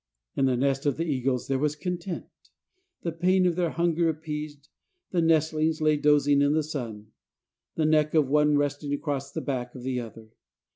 In the nest of the eagles there was content. The pain of their hunger appeased, the nestlings lay dozing in the sun, the neck of one resting across the back of the other.